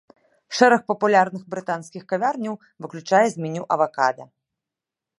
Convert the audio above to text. Шэраг папулярных брытанскіх кавярняў выключае з меню авакада.